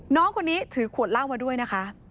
น้องคนนี้ถือขวดเหล้ามาด้วยนะคะ